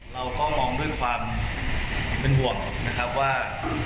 เราก็มองด้วยความเป็นห่วงนะครับว่า